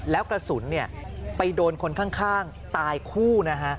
แล้วกระสุนไปโดนคนข้างตายคู่นะฮะ